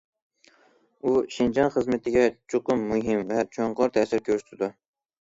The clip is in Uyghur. ئۇ شىنجاڭ خىزمىتىگە چوقۇم مۇھىم ۋە چوڭقۇر تەسىر كۆرسىتىدۇ.